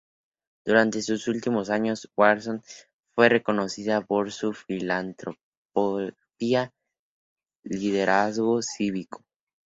Durante sus últimos años, Garson fue reconocida por su filantropía y liderazgo cívico.